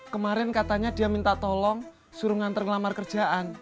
kemarin katanya dia minta tolong suruh nganter ngelamar kerjaan